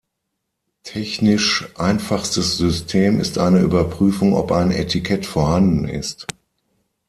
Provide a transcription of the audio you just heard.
Technisch einfachstes System ist eine Überprüfung ob ein Etikett vorhanden ist.